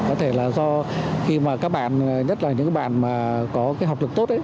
có thể là do khi mà các bản nhất là những bản mà có học lực tốt